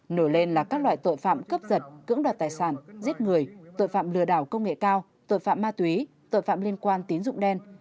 nổi lên là các loại tội phạm cướp giật cưỡng đoạt tài sản giết người tội phạm lừa đảo công nghệ cao tội phạm ma túy tội phạm liên quan tín dụng đen